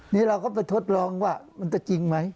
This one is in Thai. นี่เราก็ไปทดลองว่ามันจะจริงไหม